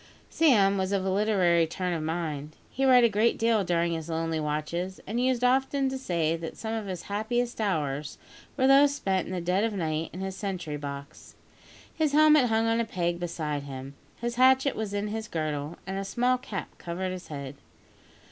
Sam was of a literary turn of mind. He read a great deal during his lonely watches, and used often to say that some of his happiest hours were those spent in the dead of night in his sentry box. His helmet hung on a peg beside him. His hatchet was in his girdle, and a small cap covered his head.